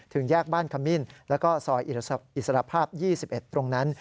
ถึงแยกบ้านขมิ้นแล้วก็ซอยอิสรภาพ๒๑ตรงนั้น